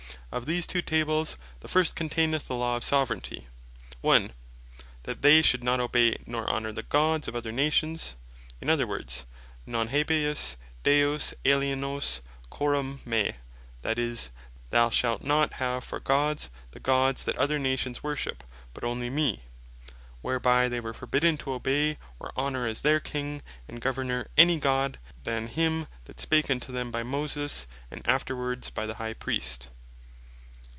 Of these two Tables, the first containeth the law of Soveraignty; 1. That they should not obey, nor honour the Gods of other Nations, in these words, "Non habebis Deos alienos coram me," that is, "Thou shalt not have for Gods, the Gods that other Nations worship; but onely me:" whereby they were forbidden to obey, or honor, as their King and Governour, any other God, than him that spake unto them then by Moses, and afterwards by the High Priest.